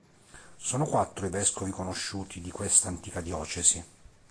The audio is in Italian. Sono quattro i vescovi conosciuti di questa antica diocesi.